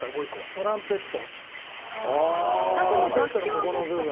トランペットのここの部分。